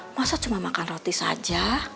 masa cuma makan roti saja